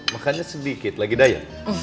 makannya sedikit lagi daya